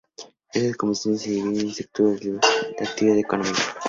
Estas comisiones se dividen según el sector de actividad económica.